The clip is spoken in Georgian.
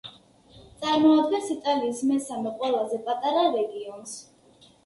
წარმოადგენს იტალიის მესამე ყველაზე პატარა რეგიონს.